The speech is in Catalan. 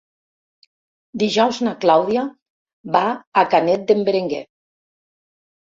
Dijous na Clàudia va a Canet d'en Berenguer.